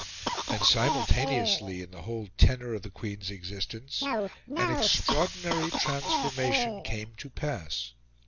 And, simultaneously, in the whole tenour of the Queen's existence an extraordinary transformation came to pass.